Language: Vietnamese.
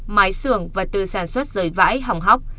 mái xưởng và tư sản xuất dưới vãi hỏng hóc